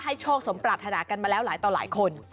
โชคสมปรารถนากันมาแล้วหลายต่อหลายคน